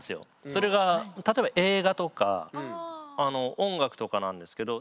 それが例えば映画とか音楽とかなんですけど。